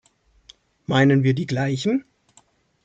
Meinen wir die gleichen?